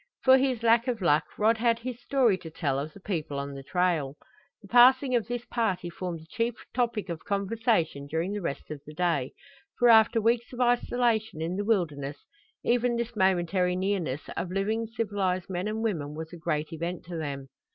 For his lack of luck Rod had his story to tell of the people on the trail. The passing of this party formed the chief topic of conversation during the rest of the day, for after weeks of isolation in the wilderness even this momentary nearness of living civilized men and women was a great event to them.